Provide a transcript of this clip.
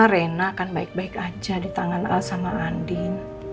rena kan baik baik aja di tangan al sama andin